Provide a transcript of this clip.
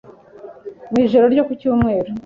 mu ijoro ryo ku cyumweru,